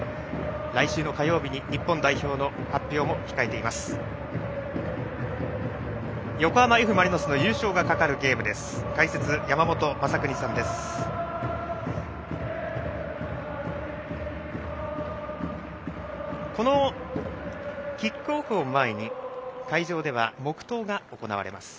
来週の火曜日に日本代表の発表も控えています。